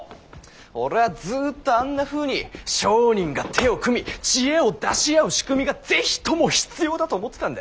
俺はずっとあんなふうに商人が手を組み知恵を出し合う仕組みが是非とも必要だと思ってたんだ。